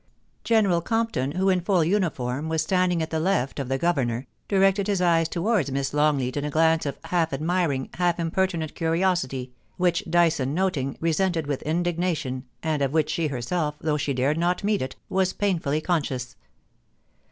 General Compton, who in full uniform was standing at the left of the Governor, directed his eyes towards Miss Longleat in a glance of half admiring, half impertinent curi 25 386 POLICY AND PASSIOIST. osity, which Dyson noting, resented with indignation, and of which she herself, though she dared not meet it, was painfully conscious.